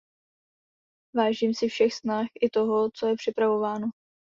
Vážím si všech snah i toho, co je připravováno.